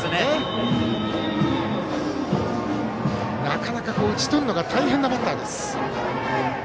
なかなか打ち取るのが大変なバッターです。